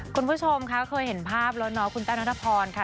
คุณผู้ชมค่ะเคยเห็นภาพแล้วเนาะคุณแต้วนัทพรค่ะ